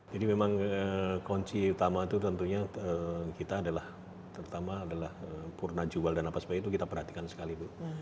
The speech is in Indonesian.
jadi memang kunci utama itu tentunya kita adalah terutama adalah purna jual dan apa sebagainya itu kita perhatikan sekali bu